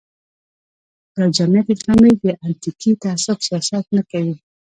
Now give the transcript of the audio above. یا جمعیت اسلامي د اتنیکي تعصب سیاست نه کوي.